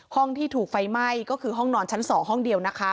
ที่ถูกไฟไหม้ก็คือห้องนอนชั้น๒ห้องเดียวนะคะ